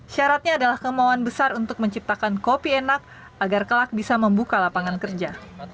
syaratnya adalah kemauan besar untuk menciptakan kopi enak agar kelak bisa membuka lapangan kerja